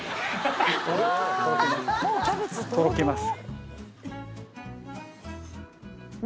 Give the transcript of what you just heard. とろけます。